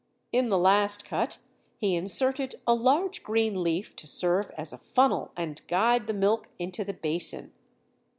In the last cut he inserted a large green leaf to serve as a funnel and guide the milk into the basin.